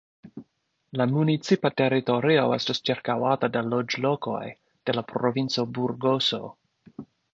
La municipa teritorio estas ĉirkaŭata de loĝlokoj de la provinco Burgoso.